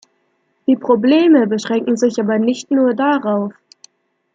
Die Probleme beschränken sich aber nicht nur darauf.